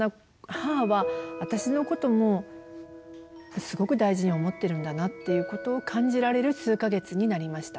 母は私のこともすごく大事に思ってるんだな」っていうことを感じられる数か月になりました。